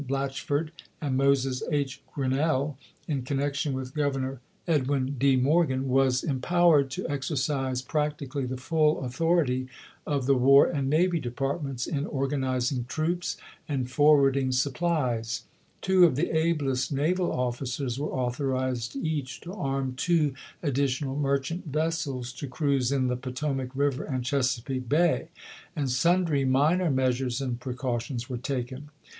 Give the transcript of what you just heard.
BlatcMord, and Moses H. Grinnell, in connection with Grovernor Edwin D. Morgan, was empowered to exercise practically the full authority of the War and Navy Departments in organizing troops and forwarding supplies ; two of the ablest naval officers were authorized each to arm two additional merchant vessels to cruise in the Poto mac River and Chesapeake Bay ; and sundry minor measures and precautions were taken.